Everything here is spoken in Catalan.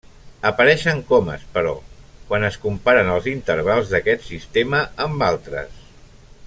Apareixen comes, però, quan es comparen els intervals d'aquest sistema amb altres.